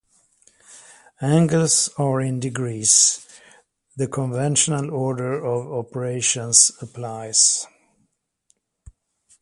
Angles are in degrees; the conventional order of operations applies.